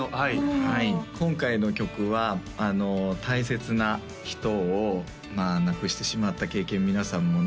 はい今回の曲は大切な人を亡くしてしまった経験皆さんもね